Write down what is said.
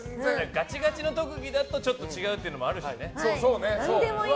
ガチガチの特技だとちょっと違うっていうのもあるし。